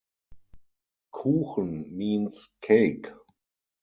"Kuchen" means 'cake'.